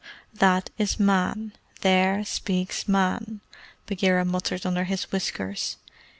"That is Man! There speaks Man!" Bagheera muttered under his whiskers.